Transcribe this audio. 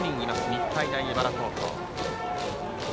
日体大荏原高校。